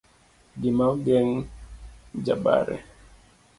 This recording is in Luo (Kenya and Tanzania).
gima ogen jabare